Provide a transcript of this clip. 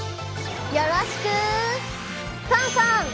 よろしくファンファン！